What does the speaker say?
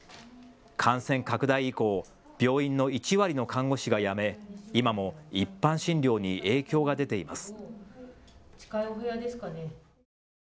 感染拡大以降、病院の１割の看護師が辞め今も一般診療に影響が出ています。